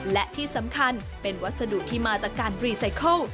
และที่สำคัญเป็นวัสดุที่มาจากการรีไซเคิล